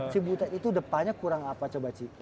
cibutet itu depannya kurang apa coba cik